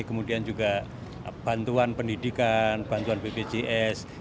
kemudian juga bantuan pendidikan bantuan bpjs